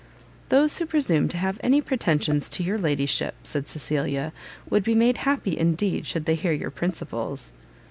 "Those who presume to have any pretensions to your ladyship," said Cecilia, "would be made happy indeed should they hear your principles!"